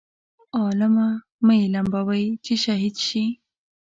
عالمه مه یې لمبوئ چې شهید شي.